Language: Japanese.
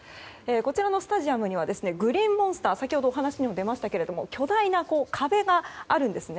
こちらのスタジアムにはグリーンモンスター先ほどお話に出ましたが巨大な壁があるんです。